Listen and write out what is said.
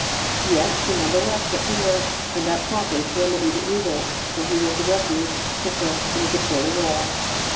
Yet he none the less set to work, and that promptly, to remedy the evil, for he was the refuge, the succour, the support of all.